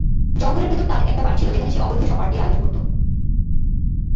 জঙ্গলের ভেতর তার একটা বাড়ি ছিল যেখানে সে অবৈধ সব পার্টির আয়োজন করত।